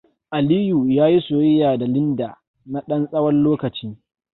Aliyu yayi soyayya da Linda na ɗan tsawon lokaci.